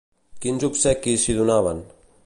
Quins obsequis s'hi donaven?